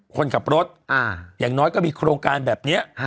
คนขับรถอย่างน้อยก็มีโครงการแบบนี้